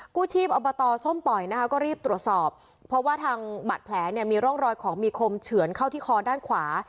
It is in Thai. กู้ชีพอบตส้มป่อยนะคะก็รีบตรวจสอบเพราะว่าทางบาดแผลเนี่ยมีร่องรอยของมีคมเฉือนเข้าที่คอด้านขวา